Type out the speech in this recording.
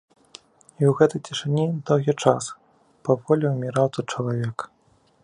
І ў гэтай цішыні доўгі час, паволі ўміраў тут чалавек.